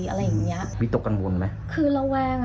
อะไรอย่างเงี้ยวิตกกังวลไหมคือระแวงอ่ะ